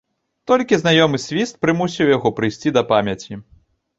Толькі знаёмы свіст прымусіў яго прыйсці да памяці.